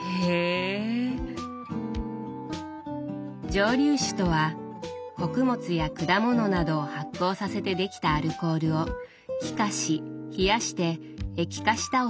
蒸留酒とは穀物や果物などを発酵させてできたアルコールを気化し冷やして液化したお酒のこと。